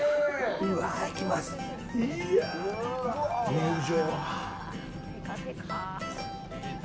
入場。